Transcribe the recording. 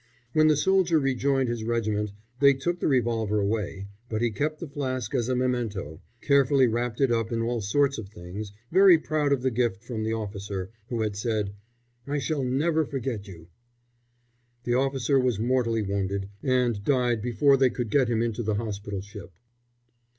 When the soldier rejoined his regiment they took the revolver away; but he kept the flask as a memento, carefully wrapped up in all sorts of things, very proud of the gift from the officer, who had said, "I shall never forget you!" The officer was mortally wounded, and died before they could get him into the hospital ship.